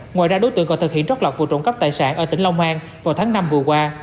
ngoài ra đối tượng còn thực hiện trót lọt vụ trộm cắp tài sản ở tỉnh long an vào tháng năm vừa qua